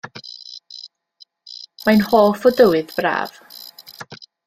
Mae'n hoff o dywydd braf.